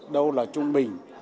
đâu là trung bình